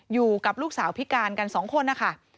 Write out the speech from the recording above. อยู่กับลูกสาวพิการกัน๒คนนะคะ